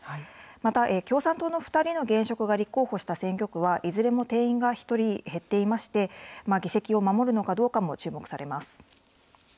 また、共産党の２人の現職が立候補した選挙区は、いずれも定員が１人減っていまして、議席を守るのかどうかも注目されます。